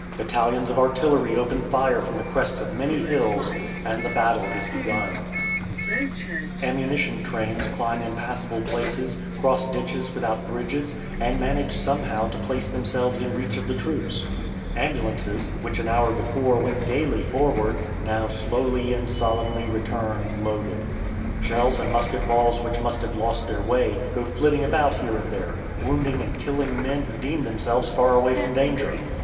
Battalions of artillery open fire from the crests of many hills, and the battle is begun. [Illustration: EXTENDING THE REAR.] Ammunition trains climb impassable places, cross ditches without bridges, and manage somehow to place themselves in reach of the troops. Ambulances, which an hour before went gayly forward, now slowly and solemnly return loaded. Shells and musket balls which must have lost their way, go flitting about here and there, wounding and killing men who deem themselves far away from danger.